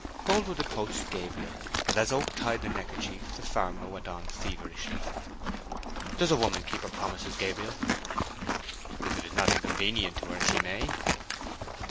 Boldwood approached Gabriel, and as Oak tied the neckerchief the farmer went on feverishly— "Does a woman keep her promise, Gabriel?" "If it is not inconvenient to her she may."